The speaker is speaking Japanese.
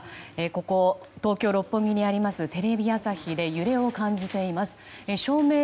ここ、東京・六本木にありますテレビ朝日で揺れを感じています。